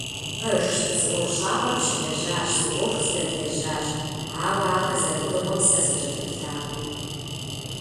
Пэжщ, зы ӀуэхущӀапӀэ дыщылэжьащ, зы Ӏуэху здэдлэжьащ, ауэ ахэр зэрыдыгъуэм сэ сыкӀэлъыплъакъым.